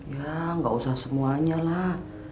ya nggak usah semuanya lah